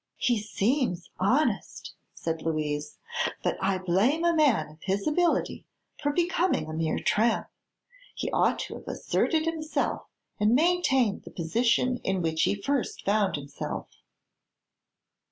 "He seems honest," said Louise, "but I blame a man of his ability for becoming a mere tramp. He ought to have asserted himself and maintained the position in which he first found himself."